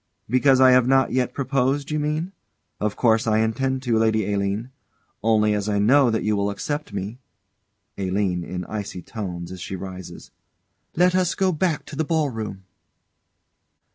_] Because I have not yet proposed, you mean? Of course I intend to, Lady Aline. Only as I know that you will accept me ALINE. [In icy tones, as she rises.] Let us go back to the ball room.